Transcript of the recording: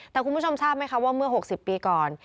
แต่คุณผู้ชมทราบไหมคะว่าเมื่อ๖๐ปีก่อน